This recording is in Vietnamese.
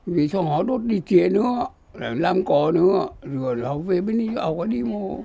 vì xong họ đốt đi trìa nữa làm cỏ nữa rồi họ về bên đây họ có đi ngô